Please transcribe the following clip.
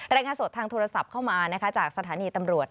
รายงานสดทางโทรศัพท์เข้ามานะคะจากสถานีตำรวจ